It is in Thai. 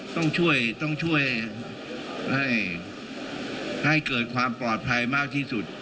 ต้องช่วยให้เกิดความปลอดภัยมากที่สุด